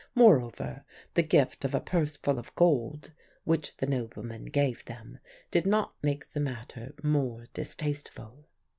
Moreover, the gift of a purse full of gold (which the nobleman gave them) did not make the matter more distasteful.